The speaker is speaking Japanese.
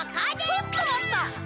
ちょっと待った！